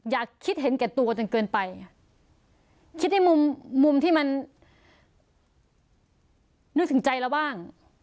อยากคิดเห็นแก่ตัวจนเกินไปคิดในมุมมุมที่มันนึกถึงใจเราบ้าง